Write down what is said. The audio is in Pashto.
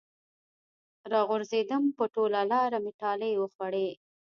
راغورځېدم په ټوله لاره مې ټالۍ وخوړې